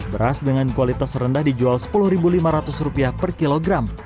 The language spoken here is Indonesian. beras dengan kualitas rendah dijual rp sepuluh lima ratus per kilogram